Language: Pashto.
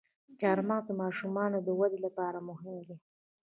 چارمغز د ماشومانو د ودې لپاره مهم دی.